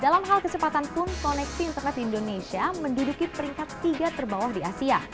dalam hal kecepatan pun koneksi internet di indonesia menduduki peringkat tiga terbawah di asia